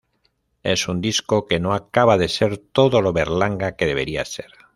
Es un disco que no acaba de ser todo lo Berlanga que debería ser.